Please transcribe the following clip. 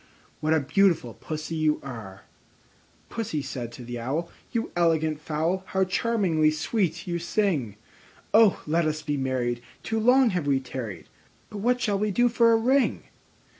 What a beautiful Pussy you are!" II. Pussy said to the Owl, "You elegant fowl, How charmingly sweet you sing! Oh! let us be married; too long we have tarried: But what shall we do for a ring?"